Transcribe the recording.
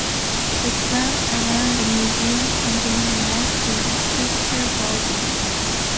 The grounds around the museum contain a landscaped sculpture garden.